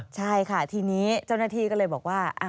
ใช่ค่ะทีนี้เจ้าหน้าที่ก็เลยบอกว่า